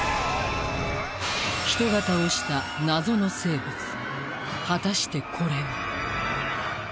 人型をした謎の生物果たしてこれは！？